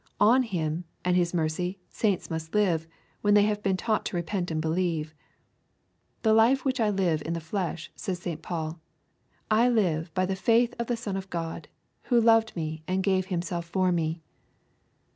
On Him and His mercy saints must live, when they have been taught to repent and believe. " The life which I live in the flesh," says St. Paul, " I live by the faith of the Son of God, who loved me and gave Himself for me."